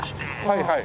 はいはい。